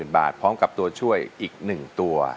บาทพร้อมกับตัวช่วยอีก๑ตัว